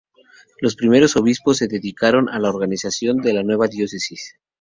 Los primeros obispos se dedicaron a la organización de la nueva diócesis.